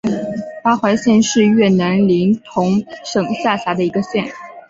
达怀县是越南林同省下辖的一个县。